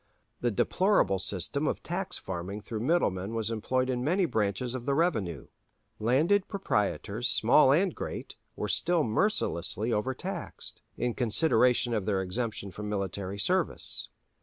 The deplorable system of tax farming through middlemen was employed in many branches of the revenue. Landed proprietors, small and great, were still mercilessly overtaxed, in consideration of their exemption from military service.